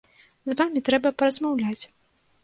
З вамі трэба паразмаўляць.